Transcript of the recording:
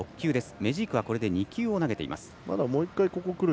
メジークはこれで２球投げています。